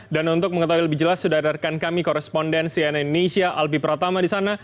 dan untuk mengetahui lebih jelas sudah ada rekan kami korespondensi nnn indonesia albi pratama di sana